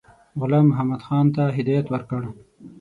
غلام محمدخان ته هدایت ورکړ.